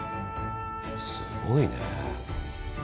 すごいね。